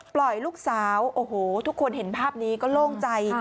ปล่อยลูกสาวโอ้โหทุกคนเห็นภาพนี้ก็โล่งใจ